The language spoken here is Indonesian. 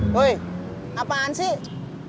woi apaan sih